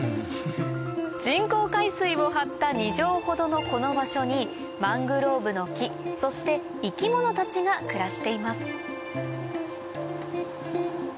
人工海水を張った２畳ほどのこの場所にマングローブの木そして生き物たちが暮らしています